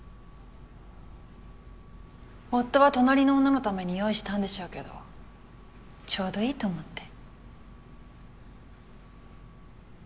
夫は隣の女のために用意したんでしょうけどちょうどいいと思って。